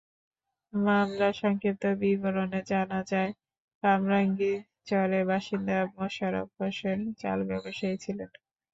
মামলার সংক্ষিপ্ত বিবরণে জানা যায়, কামরাঙ্গীরচরের বাসিন্দা মোশারফ হোসেন চাল ব্যবসায়ী ছিলেন।